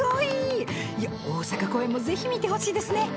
大阪公演もぜひ見てほしいですね。